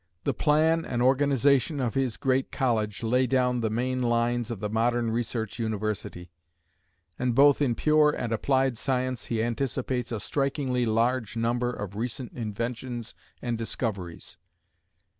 The plan and organization of his great college lay down the main lines of the modern research university; and both in pure and applied science he anticipates a strikingly large number of recent inventions and discoveries.